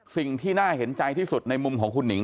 สิ่งที่น่าเห็นใจที่สุดในมุมของคุณหนิง